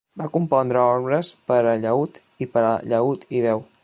Va compondre obres per a llaüt i per a llaüt i veu.